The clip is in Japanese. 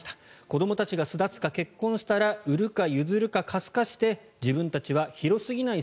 子どもたちが巣立つか結婚したら売るか譲るか貸すかして自分たちは広すぎない